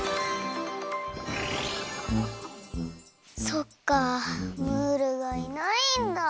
そっかムールがいないんだ。